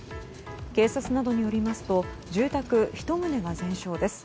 警察などによりますと住宅１棟が全焼です。